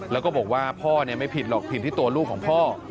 แล้วก็บอกว่าพ่อไม่ผิดหรอกผิดที่ตัวลูกของพ่อ